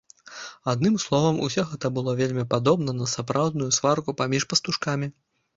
Адным словам, усё гэта было вельмі падобна на сапраўдную сварку паміж пастушкамі.